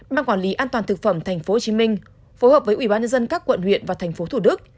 mạng quản lý an toàn thực phẩm tp hcm phối hợp với ubnd các quận huyện và tp thd